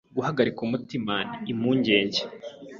Guhagarika umutima ni impungenge